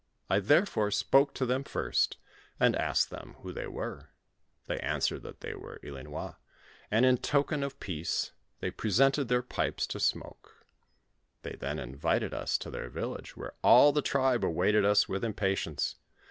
I, therefore, spoke to them first, and asked them, who they were; "they an swered that they were Ilinois and, in token of peace, they presented their pipes to smoke. They then invited us to their village where all the tribe awaited us with impatience.